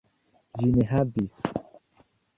Ĝi ne havis.